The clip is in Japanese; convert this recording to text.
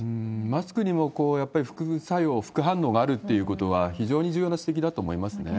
マスクにも、やっぱり副作用、副反応があるっていうことは、非常に重要な指摘だと思いますね。